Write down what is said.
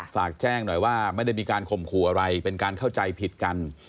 ฝากแจ้งหน่อยว่าไม่ได้มีการข่มขู่อะไรเป็นการเข้าใจผิดกัน